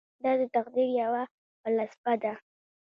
دا د تقدیر یوه فلسفه ده.